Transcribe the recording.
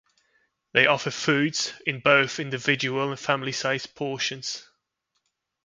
They offer foods in both individual and family-size portions.